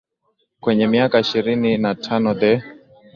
kwenye miaka ishirini na tano the